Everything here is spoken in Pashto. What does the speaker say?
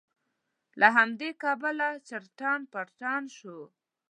له همدې کبله چړتن پړتن شو.